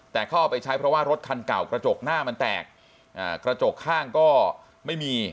แต่เขาเอาไปใช้เพราะว่ารถคันเก่ากระจกหน้ามันแตกกระจกข้างก็ไม่มี